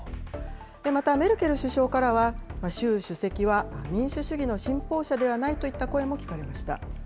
またメルケル首相からは、習主席は民主主義の信奉者ではないといった声も聞かれました。